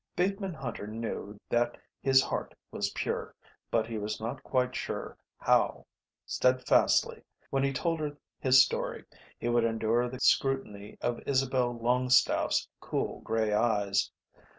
Bateman Hunter knew that his heart was pure, but he was not quite sure how steadfastly, when he told her his story, he would endure the scrutiny of Isabel Longstaffe's cool grey eyes.